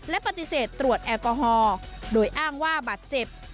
และปฏิเสธตรวจแอลกอฮอล์โดยอ้างว่าบาดเจ็บ